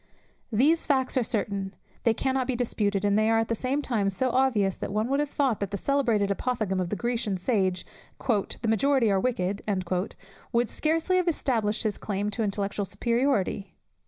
These facts are certain; they cannot be disputed; and they are at the same time so obvious, that one would have thought that the celebrated apophthegm of the Grecian sage, "the majority are wicked," would scarcely have established his claim to intellectual superiority.